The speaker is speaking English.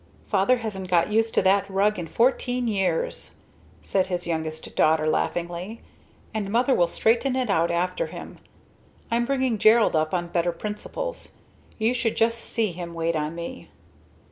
"Father hasn't got used to that rug in fourteen years!" said his youngest daughter laughingly. "And Mother will straighten it out after him! I'm bringing Gerald up on better principles. You should just see him wait on me!"